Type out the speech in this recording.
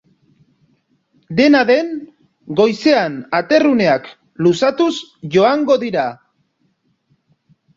Dena den, goizean aterruneak luzatuz joango dira.